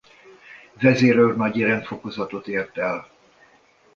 Vezérőrnagyi rendfokozatot ért el.